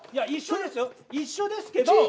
一緒ですよ一緒ですけど。